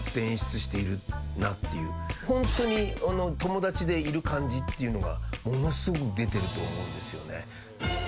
ほんとに友達でいる感じっていうのがものすごく出てると思うんですよね。